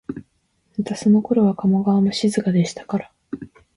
またそのころは加茂川も静かでしたから、